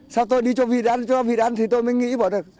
sao tôi đi cho vịt ăn cho vịt ăn thì tôi mới nghĩ bỏ được